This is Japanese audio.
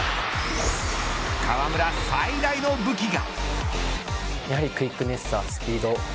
河村最大の武器が。